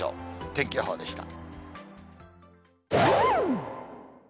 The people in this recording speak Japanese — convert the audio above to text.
天気予報でした。